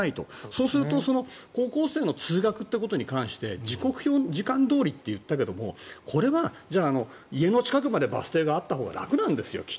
そうすると高校生の通学ということに関して時刻表の時間どおりといったけどこれは、じゃあ家の近くにバス停があったほうが楽なんですよ。